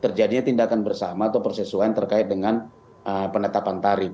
terjadinya tindakan bersama atau persesuaian terkait dengan penetapan tarif